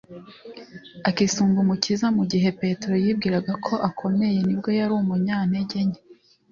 akisunga Umukiza. Mu gihe Petero yibwiraga ko akomeye, nibwo yari umunyantege nke;